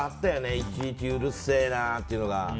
いちいちうるせえなっていうのが。